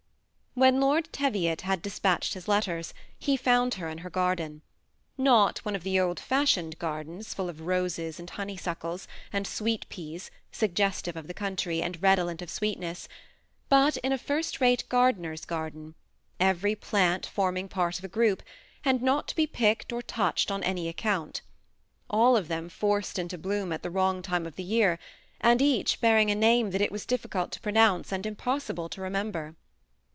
When Lord Teviot had dispatched his letters, he found her in her garden ; not one of the old fashioned gardens, full of roses and hooeyvnckles, and tweet peafl^ THE SEMI ATTACHED COUPLB. ^ suggestive of the country, and redolent of sweetness, ~ but in a first rate gardener's garden, eyerj plant form ing part of a group, and not to be picked or toocbed on any account ; all of them forced into bloom at the wrong time of the year ; and each bearing a name that it was difficult to pronounce, and impossible to remem ber.